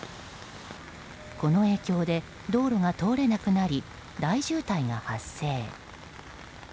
この影響で、道路が通れなくなり大渋滞が発生。